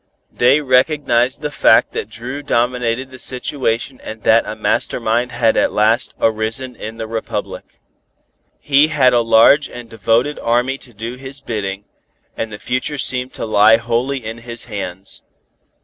They recognized the fact that Dru dominated the situation and that a master mind had at last arisen in the Republic. He had a large and devoted army to do his bidding, and the future seemed to lie wholly in his hands.